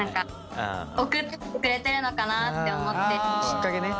きっかけね。